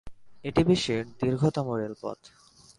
এটি বিশ্বের দীর্ঘতম রেলপথ।